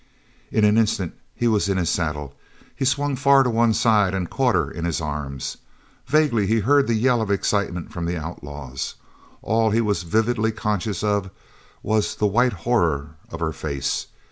In an instant he was in his saddle. He swung far to one side and caught her in his arms. Vaguely he heard the yell of excitement from the outlaws. All he was vividly conscious of was the white horror of her face.